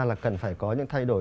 là cần phải có những thay đổi